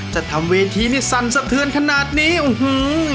จะทำเวทีนี่สั่นสะเทือนขนาดนี้อื้อหือ